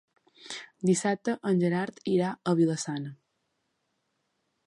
Dissabte en Gerard irà a Vila-sana.